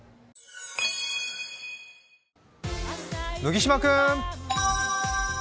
麦島君！